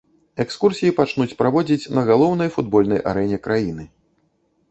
Экскурсіі пачнуць праводзіць на галоўнай футбольнай арэне краіны.